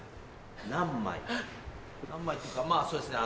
何枚っていうかまぁそうですね